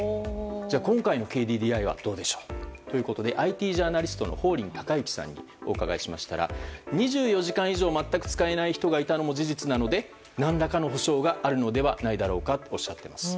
じゃあ、今回のＫＤＤＩはどうでしょう、ということでＩＴジャーナリストの法林岳之さんにお伺いしましたら、２４時間以上全く使えない人がいたのも事実なので、何らかの補償があるのではないだろうかとおっしゃっています。